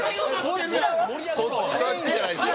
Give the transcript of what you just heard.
そっちメインじゃないですか。